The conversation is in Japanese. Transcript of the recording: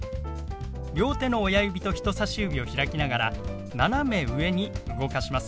両手の親指と人さし指を開きながら斜め上に動かします。